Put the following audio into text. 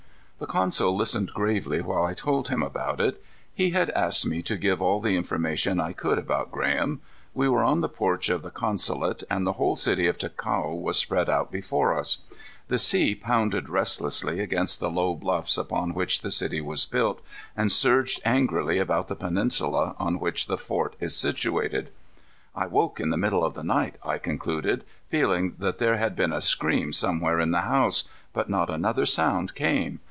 The consul listened gravely while I told him about it. He had asked me to give all the information I could about Graham. We were on the porch of the consulate and the whole city of Ticao was spread out before us. The sea pounded restlessly against the low bluffs upon which the city was built, and surged angrily about the peninsula on which the fort is situated. "I woke in the middle of the night," I concluded, "feeling that there had been a scream somewhere in the house, but not another sound came.